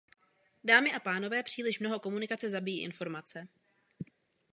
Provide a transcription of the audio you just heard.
Dámy a pánové, příliš mnoho komunikace zabíjí informace.